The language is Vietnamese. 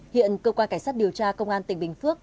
hiện cơ quan cảnh sát điều tra công an tỉnh bình phước